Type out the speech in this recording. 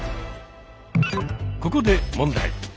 ここで問題。